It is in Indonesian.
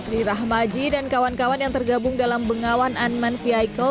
lirah maji dan kawan kawan yang tergabung dalam bengawan unmanned vehicle